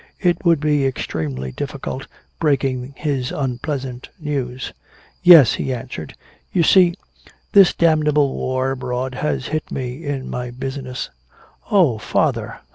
It would he extremely difficult breaking his unpleasant news. "Yes," he answered. "You see this damnable war abroad has hit me in my business." "Oh, father!